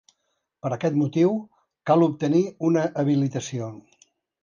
Per aquest motiu, cal obtenir una habilitació.